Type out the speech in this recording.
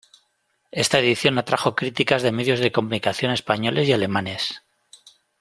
Esta edición atrajo críticas de medios de comunicación españoles y alemanes.